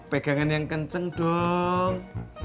pegangan yang kenceng dong